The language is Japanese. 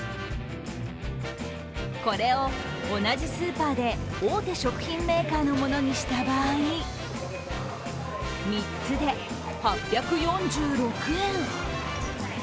これを同じスーパーで大手食品メーカーにものにした場合、３つで８４６円。